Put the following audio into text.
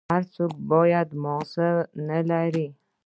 هر سوك بيا مازغه نلري.